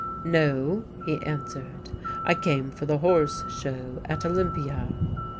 "No," he answered, "I came for the Horse Show at Olympia."